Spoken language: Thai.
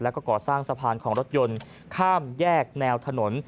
แล้วก็ก่อสร้างสะพานของรถยนต์ข้ามแยกแนวถนน